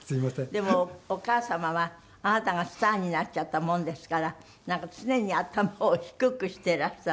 でもお母様はあなたがスターになっちゃったもんですからなんか常に頭を低くしていらしたんですって？